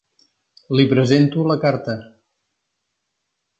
Li presento la carta.